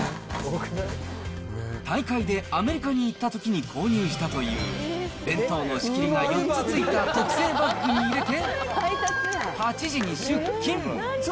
大会でアメリカに行ったときに購入したという弁当の仕切りが４つついた特製バッグに入れて８時に出勤。